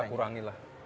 ya kita kurangi lah